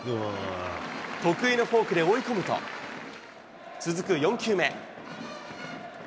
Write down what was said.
得意のフォークで追い込むと、続く４球目。